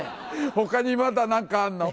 他にまだ何かあんの？